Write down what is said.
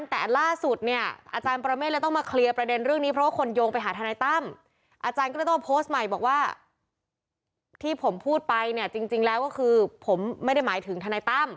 แต่ล่าสุดเนี่ยอาจารย์ประเมฆเลยต้องมาเคลียร์ประเด็นเรื่องนี้เพราะว่าคนโยงไปหาทนายตั้มอาจารย์ก็เลยต้องโพสต์ใหม่บอกว่าที่ผมพูดไปเนี่ยจริงแล้วก็คือผมไม่ได้หมายถึงทนายตั้ม